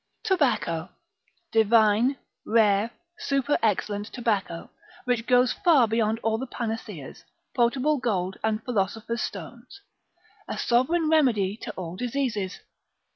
Tobacco, divine, rare, superexcellent tobacco, which goes far beyond all the panaceas, potable gold, and philosopher's stones, a sovereign remedy to all diseases.